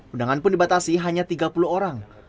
undangan pun dibatasi hanya tiga puluh orang